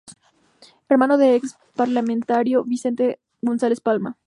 Hermano del ex parlamentario, Vicente González Palma.